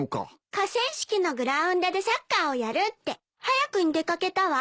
河川敷のグラウンドでサッカーをやるって早くに出掛けたわ。